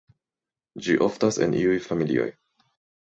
Ĝi oftas en iuj familioj.